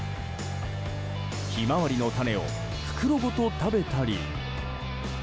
ヒマワリの種を袋ごと食べたり。